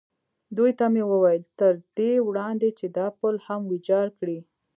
دوی ته مې وویل: تر دې وړاندې چې دا پل هم ویجاړ کړي.